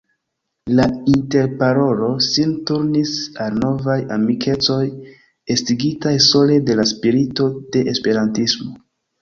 La interparolo sin turnis al novaj amikecoj, estigitaj sole de la spirito de Esperantismo.